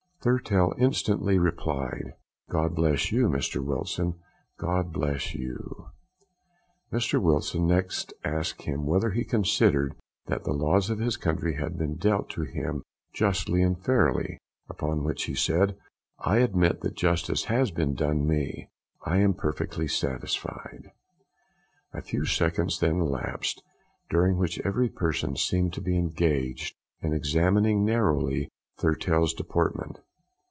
Thurtell instantly replied, "God bless you, Mr Wilson, God bless you." Mr Wilson next asked him whether he considered that the laws of his country had been dealt to him justly and fairly, upon which he said, "I admit that justice has been done me I am perfectly satisfied." A few seconds then elapsed, during which every person seemed to be engaged in examining narrowly Thurtell's deportment.